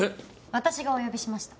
私がお呼びしました。